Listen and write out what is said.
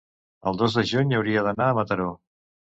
el dos de juny hauria d'anar a Mataró.